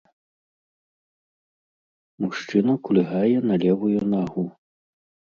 Мужчына кульгае на левую нагу.